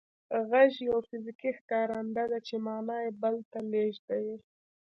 غږ یو فزیکي ښکارنده ده چې معنا بل ته لېږدوي